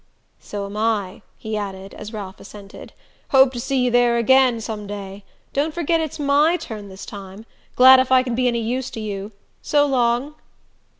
"So am I," he added, as Ralph assented. "Hope to see you there again some day. Don't forget it's MY turn this time: glad if I can be any use to you. So long."